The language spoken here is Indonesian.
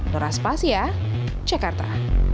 noras pas ya jakarta